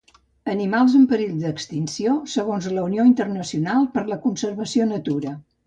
Animals en perill d'extinció segons la Unió Internacional per la Conservació Natura